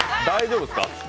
大丈夫ですか？